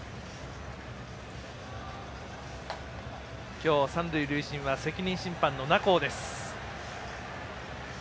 今日三塁塁審は責任審判の名幸です。